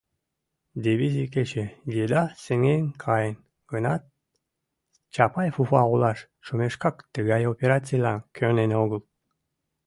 Дивизий кече еда сеҥен каен гынат, Чапаев Уфа олаш шумешкак тыгай операцийлан кӧнен огыл.